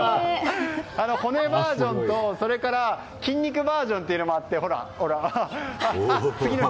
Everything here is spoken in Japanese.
骨バージョンと筋肉バージョンもあって。